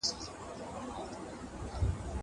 زه به سبا موسيقي اورم.